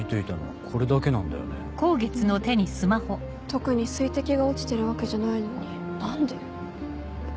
特に水滴が落ちてるわけじゃないのに何で。